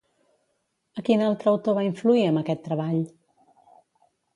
A quin altre autor va influir amb aquest treball?